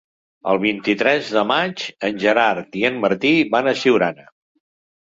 El vint-i-tres de maig en Gerard i en Martí van a Siurana.